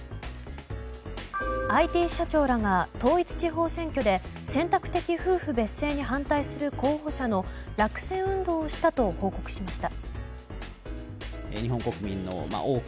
ＩＴ社長らが統一地方選挙で選択的夫婦別姓に反対する候補者の落選運動をしたと報告しました。